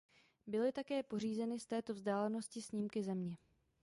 Byly také pořízeny z této vzdálenosti snímky Země.